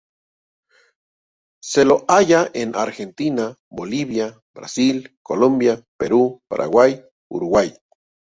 Se lo halla en Argentina, Bolivia, Brasil, Colombia, Perú, Paraguay, Uruguay.